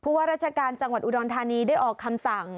ว่าราชการจังหวัดอุดรธานีได้ออกคำสั่ง